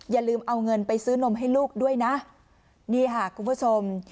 อย่าลืมเอาเงินไปซื้อนมให้ลูกด้วยนะนี่ค่ะคุณผู้ชม